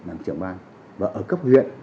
làm trưởng ban và ở cấp huyện